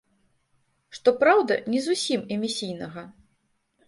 Што праўда, не зусім эмісійнага.